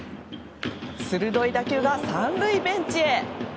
鋭い打球が３塁ベンチへ。